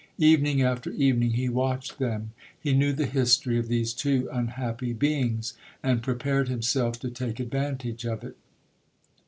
Evening after evening he watched them. He knew the history of these two unhappy beings, and prepared himself to take advantage of it.